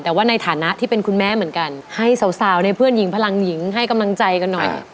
แต่ว่าในฐานะที่เป็นคุณแม่เหมือนกันให้สาวในเพื่อนหญิงพลังหญิงให้กำลังใจกันหน่อย